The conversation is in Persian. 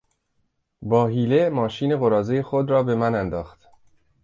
با حیله ماشین قراضهی خود را به من انداخت.